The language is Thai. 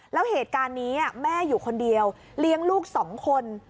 แล้วเหตุการณ์นี้แม่อยู่คนเดียวเลี้ยงลูกสองคน